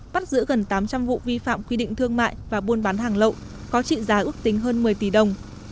bắt giữ gần tám trăm linh vụ vi phạm quy định thương mại và buôn bán hàng lậu có trị giá ước tính hơn một mươi tỷ đồng